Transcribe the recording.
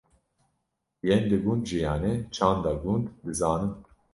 yên li gund jiyane çanda gund dizanin